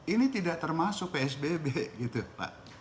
ini tidak termasuk psbb gitu pak